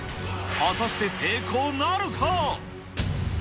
果たして成功なるか？